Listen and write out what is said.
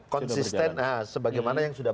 konsisten sebagaimana yang sudah